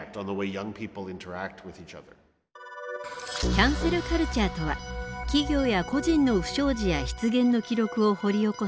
「キャンセルカルチャー」とは企業や個人の不祥事や失言の記録を掘り起こしネット上で拡散。